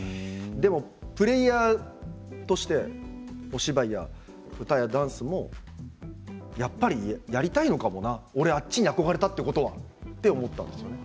でもプレーヤーとしてお芝居や歌やダンスもやっぱり、やりたいのかもなってあっちに憧れたということはって思ったんです。